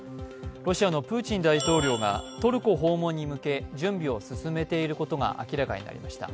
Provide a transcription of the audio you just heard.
ロシアのプーチン大統領がトルコ訪問に向け準備を進めていることが明らかになりました。